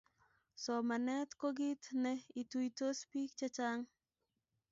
Somanet ko kit ne ituitos bik che chang